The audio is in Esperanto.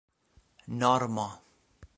normo